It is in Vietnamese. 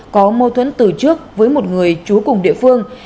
có mâu thuẫn từ trước với một người trú cùng địa phương